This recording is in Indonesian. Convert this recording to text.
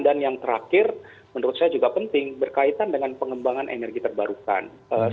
dan yang terakhir menurut saya juga penting berkaitan dengan pengembangan energi terbarukan